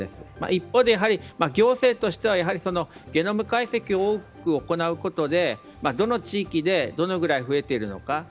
一方で、行政としてはゲノム解析を多く行うことでどの地域でどのぐらい増えているのか。